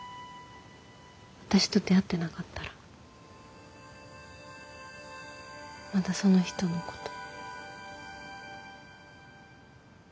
私と出会ってなかったらまだその人のこと。